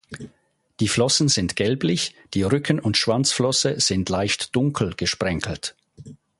Die Flossen sind gelblich, dir Rücken- und Schwanzflosse sind leicht dunkel gesprenkelt.